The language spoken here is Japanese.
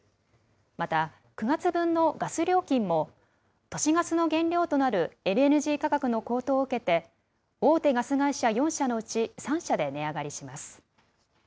また、９月分のガス料金も、都市ガスの原料となるＬＮＧ価格の高騰を受けて、大手ガス会社４社のうち３社で値上がりします。